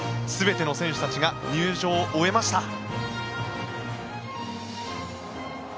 全ての選手たちが入場を終えました。